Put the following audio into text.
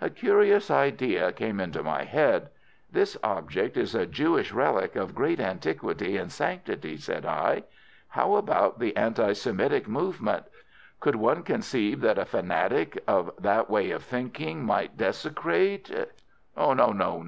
A curious idea came into my head. "This object is a Jewish relic of great antiquity and sanctity," said I. "How about the anti Semitic movement? Could one conceive that a fanatic of that way of thinking might desecrate——" "No, no, no!"